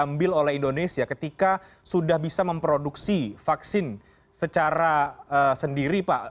apa yang bisa diambil oleh indonesia ketika sudah bisa memproduksi vaksin secara sendiri pak